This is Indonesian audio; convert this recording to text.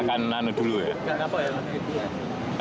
gak apa ya nana dulu ya